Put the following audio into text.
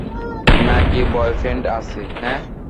না-কি boyfriend আছে?